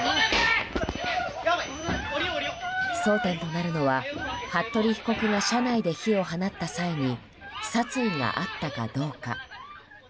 争点となるのは服部被告が車内で火を放った際に殺意があったかどうか。